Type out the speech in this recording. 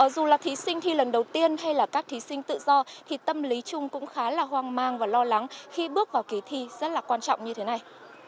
dù là thí sinh thi lần đầu tiên hay là các thí sinh tự do thì tâm lý chung cũng khá là hoang mang và lo lắng khi bước vào kỳ thi rất là quan trọng như thế này